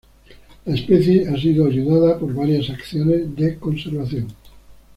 La especie ha sido ayudada por varias acciones de conservación.